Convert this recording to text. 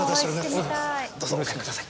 どうぞおかけください。